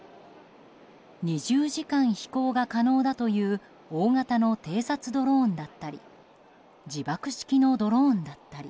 ２０時間飛行が可能だという大型の偵察ドローンだったり自爆式のドローンだったり。